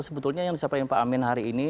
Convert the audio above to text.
sebetulnya yang disampaikan pak amin hari ini